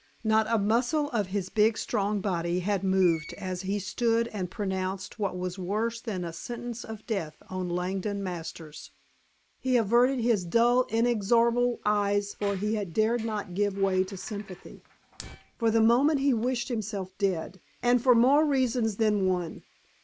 Not a muscle of his big strong body had moved as he stood and pronounced what was worse than a sentence of death on Langdon Masters. He averted his dull inexorable eyes, for he dared not give way to sympathy. For the moment he wished himself dead and for more reasons than one!